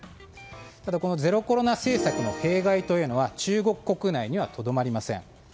ただこのゼロコロナ政策の弊害は中国国内にはとどまりません。